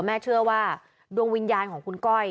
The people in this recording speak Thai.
เชื่อว่าดวงวิญญาณของคุณก้อย